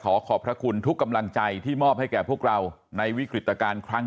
ขอขอบพระคุณทุกกำลังใจที่มอบให้แก่พวกเราในวิกฤตการณ์ครั้ง